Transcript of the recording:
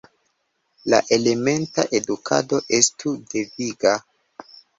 La elementa edukado estu deviga.